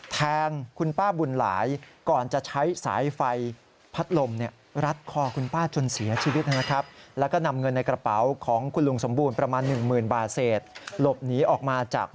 แทงคุณป้าบุญหลายก่อนจะใช้สายไฟพัดลม